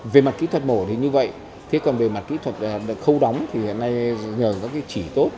về mặt kỹ thuật mổ thì như vậy thế còn về mặt kỹ thuật khâu đóng thì hiện nay nhờ các cái chỉ tốt